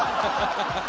ハハハハ。